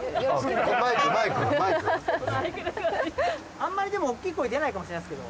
あんまりでも大きい声出ないかもしれないですけど。